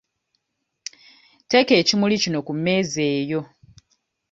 Teeka ekimuli kino ku mmeeza eyo.